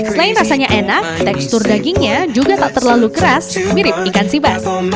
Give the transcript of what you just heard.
selain rasanya enak tekstur dagingnya juga tak terlalu keras mirip ikan sibas